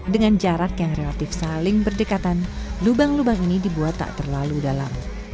dengan jarak yang relatif saling berdekatan lubang lubang ini dibuat tak terlalu dalam